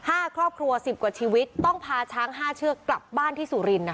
ครอบครัวสิบกว่าชีวิตต้องพาช้างห้าเชือกกลับบ้านที่สุรินท